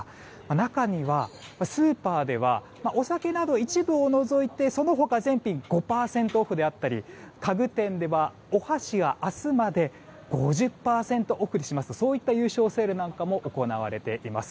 中には、スーパーではお酒など一部を除いてその他、全品５％オフであったり家具店ではお箸が明日まで５０％オフにしますといった優勝セールなんかも行われています。